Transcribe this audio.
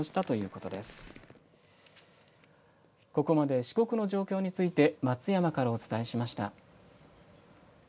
ここまで四国の状況について、松山からお伝えしました。